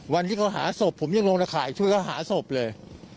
วันที่เขาหาศพผมยังลงตะข่ายช่วยเขาหาศพเลย